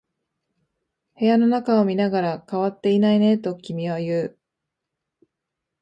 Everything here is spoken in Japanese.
部屋の中を見ながら、変わっていないねと君は言う。